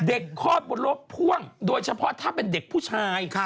คลอดบนรถพ่วงโดยเฉพาะถ้าเป็นเด็กผู้ชาย